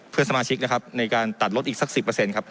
เพื่อนสมาชิกนะครับในการตัดลดอีกสักสิบเปอร์เซ็นต์ครับ